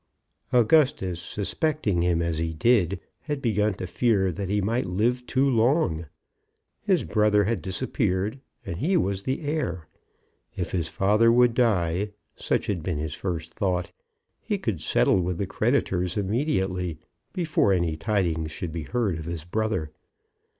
Augustus, suspecting him as he did, had begun to fear that he might live too long. His brother had disappeared, and he was the heir. If his father would die, such had been his first thought, he could settle with the creditors immediately, before any tidings should be heard of his brother.